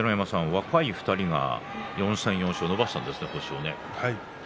若い２人が４戦４勝と星を伸ばしたんですね。